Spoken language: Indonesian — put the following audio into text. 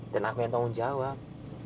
dan aku yang tanggung jawab